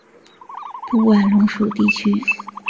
布万龙属地区。